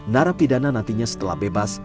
narapidana nantinya setelah bebas